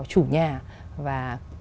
chủ nhà và